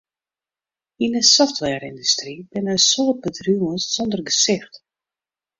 Yn 'e softwareyndustry binne in soad bedriuwen sonder gesicht.